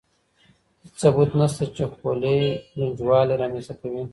هېڅ ثبوت نشته چې خولۍ ګنجوالی رامنځته کړي.